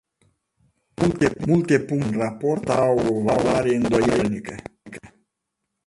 Multe puncte din raport au o valoare îndoielnică.